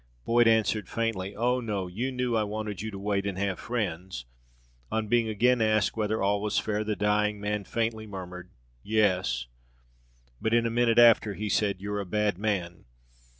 Boyd answered faintly, "Oh, no! you know I wanted you to wait and have friends." On being again asked whether all was fair, the dying man faintly murmured, "Yes:" but in a minute after, he said, "You're a bad man!"